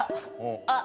あっ！